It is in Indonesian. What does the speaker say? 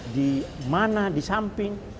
di mana di samping